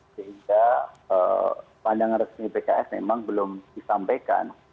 sehingga pandangan resmi pks memang belum disampaikan